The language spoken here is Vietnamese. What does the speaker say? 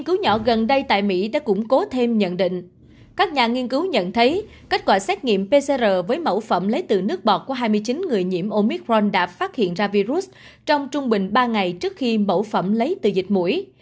các bạn nhận thấy kết quả xét nghiệm pcr với mẫu phẩm lấy từ nước bọt của hai mươi chín người nhiễm omicron đã phát hiện ra virus trong trung bình ba ngày trước khi mẫu phẩm lấy từ dịch mũi